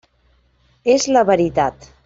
És la veritat.